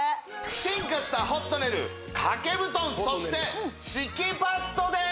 進化したホットネル掛布団そして敷パッドです